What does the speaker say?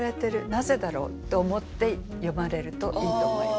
なぜだろう？」って思って読まれるといいと思います。